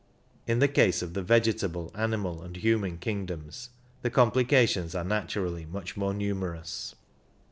In the case of the vegetable, animal and human kingdoms, the complications are naturally much more numerous.